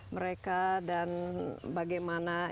mereka dan bagaimana